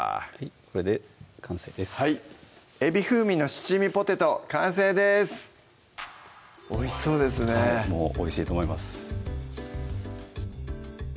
これで完成です「海老風味の七味ポテト」完成ですおいしそうですねおいしいと思います